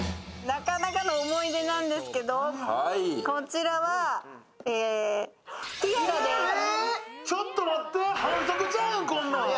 なかなかの思い出なんですけど、こちらはティアラです。